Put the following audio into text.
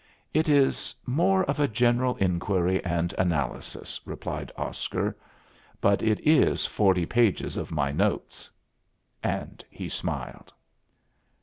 "It is more of a general inquiry and analysis," replied Oscar. "But it is forty pages of my notes." And he smiled.